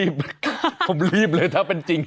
ผมรีบเลยถ้าเป็นจริง